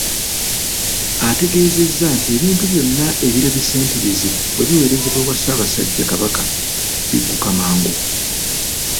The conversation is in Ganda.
Ategeezezza nti ebintu byonna ebirabise nti bizibu bwe biweerezebwa ewa Ssaabasajja Kabaka bigguka mangu